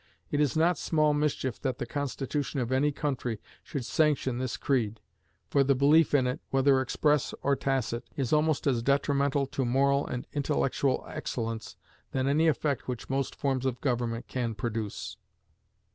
It is not small mischief that the constitution of any country should sanction this creed; for the belief in it, whether express or tacit, is almost as detrimental to moral and intellectual excellence any effect which most forms of government can produce.